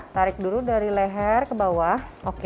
tarik dulu dari leher ke bawah